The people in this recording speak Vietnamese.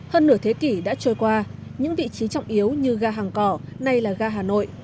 hơn nửa thế kỷ đã trôi qua những vị trí trọng yếu như ga hàng cỏ nay là ga hà nội